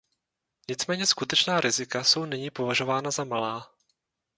Nicméně skutečná rizika jsou nyní považována za malá.